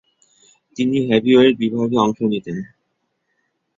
তিনি হেভিওয়েট বিভাগে অংশ নিতেন।